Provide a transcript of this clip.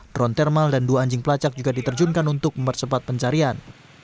drone thermal dan dua anjing pelacak juga diterjunkan untuk mempercepat pencarian